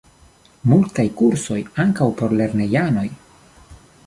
Multaj kursoj, ankaŭ por lernejanoj.